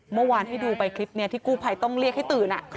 เมื่อวานให้ดูไปคลิปนี้ที่กู้ภัยต้องเรียกให้ตื่น